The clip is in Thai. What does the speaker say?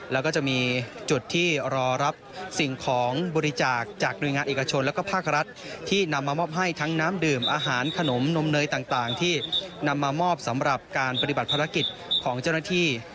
แล้วก็จะมีจุดที่รอรับสิ่งของบริจาคจากหน่วยงานเอกชนและภาครัฐที่นำมามอบให้ทั้งน้ำดื่มอาหารขนมนมเนยต่างที่นำมามอบสำหรับการปฏิบัติภารกิจของเจ้าหน้าที่